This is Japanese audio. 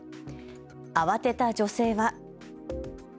慌てた女性は。